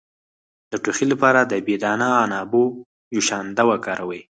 د ټوخي لپاره د بې دانه عنابو جوشانده وکاروئ